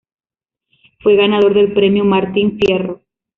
Fue ganador del premio Martín Fierro.